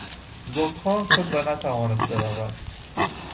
زکام شد و نتوانست برود.